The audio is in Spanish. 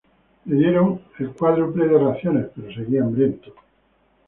Le dieron el cuádruple de raciones, pero seguía hambriento.